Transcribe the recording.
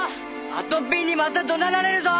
あとぴんにまた怒鳴られるぞ！